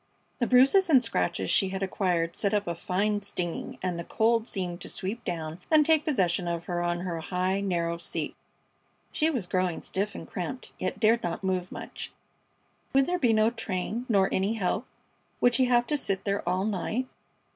The bruises and scratches she had acquired set up a fine stinging, and the cold seemed to sweep down and take possession of her on her high, narrow seat. She was growing stiff and cramped, yet dared not move much. Would there be no train, nor any help? Would she have to sit there all night?